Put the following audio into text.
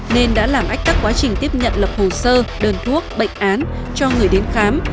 nên đã làm ách tắc quá trình tiếp nhận lập hồ sơ đơn thuốc bệnh án cho người đến khám